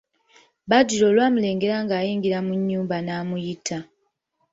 Badru olwamulengera ng'ayingira mu nnyumba n'amuyita.